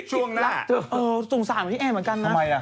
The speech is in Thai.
ก็คือพี่แอลเขาโดนด่าไง